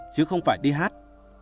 chứ không phải đi hát